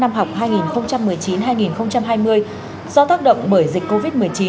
năm học hai nghìn một mươi chín hai nghìn hai mươi do tác động bởi dịch covid một mươi chín